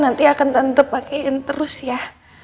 nanti akan tante pakein terus ya